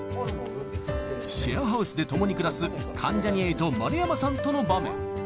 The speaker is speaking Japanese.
シェアハウスでともに暮らす関ジャニ∞・丸山さんとの場面